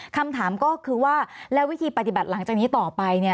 คำถามก็คือว่าแล้ววิธีปฏิบัติหลังจากนี้ต่อไป